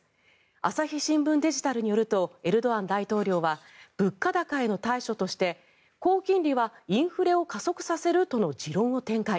朝日新聞デジタルによりますとエルドアン大統領は物価高への対処として高金利はインフレを加速させるとの持論を展開。